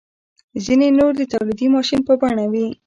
ځینې نور د تولیدي ماشین په بڼه وي.